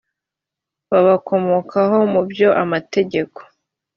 babakomokaho mu byo amategeko